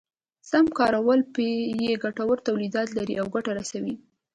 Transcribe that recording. سم کارول يې ګټور توليدات لري او ګټه رسوي.